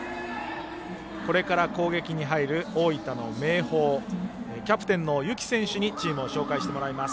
これから攻撃に入る大分の明豊キャプテンの幸選手にチームを紹介してもらいます。